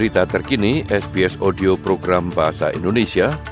sampai jumpa di sps bahasa indonesia